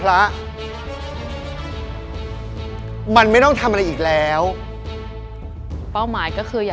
พลอยเชื่อว่าเราก็จะสามารถชนะเพื่อนที่เป็นผู้เข้าประกวดได้เหมือนกัน